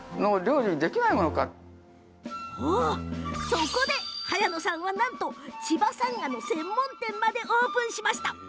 そこで、早野さんはなんと、千葉さんがの専門店までオープンしまいました。